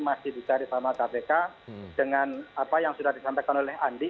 masih dicari sama kpk dengan apa yang sudah disampaikan oleh andi